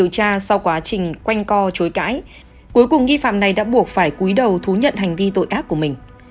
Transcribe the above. cuối cùng nghi phạm này đã buộc phải cúi đầu thú nhận hành vi tội ác của mình